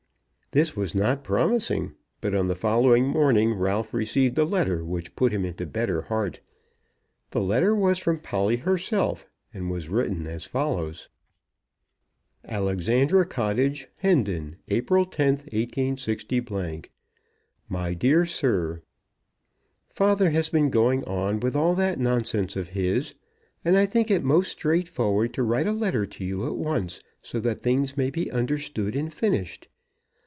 This was not promising, but on the following morning Ralph received a letter which put him into better heart. The letter was from Polly herself, and was written as follows: Alexandra Cottage, Hendon, April 10th, 186 . MY DEAR SIR, Father has been going on with all that nonsense of his, and I think it most straightforward to write a letter to you at once, so that things may be understood and finished.